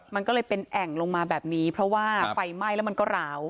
มันก็เลยเป็นแอ่งลงมาแบบนี้เพราะว่าไฟไหม้แล้วมันก็ร้าว